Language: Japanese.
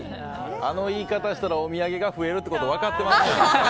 あの言い方したらお土産が増えるってこと分かってますね。